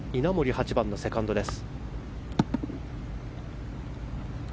８番のセカンドです。